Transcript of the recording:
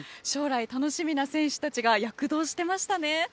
将来楽しみな選手たちが躍動していましたね。